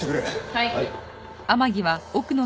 はい。